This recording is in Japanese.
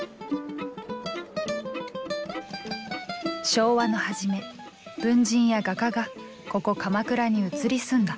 昭和の初め文人や画家がここ鎌倉に移り住んだ。